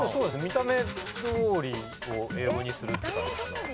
見た目どおりを英語にするって感じかな。